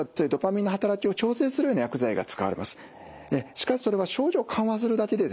しかしそれは症状を緩和するだけでですね